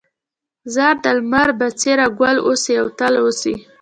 ځار د لمر بڅريه، ګل اوسې او تل اوسې